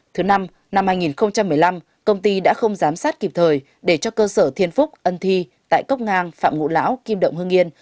thứ năm năm hai nghìn một mươi năm công ty đã không giám sát kịp thời để cho cơ sở thiên phúc ân thi tại cốc ngang phạm ngũ lão kim động hương yên